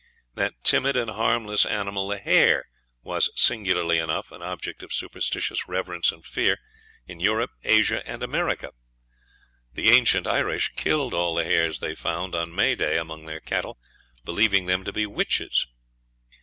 That timid and harmless animal, the hare, was, singularly enough, an object of superstitious reverence and fear in Europe, Asia, and America. The ancient Irish killed all the hares they found on May day among their cattle, believing them to be witches.